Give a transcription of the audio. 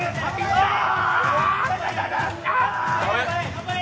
頑張れ。